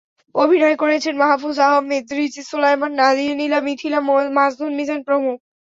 অভিনয় করেছেন মাহফুজ আহমেদ, রিচি সোলায়মান, নাদিয়া, নিলা, মিথিলা, মাজনুন মিজান প্রমুখ।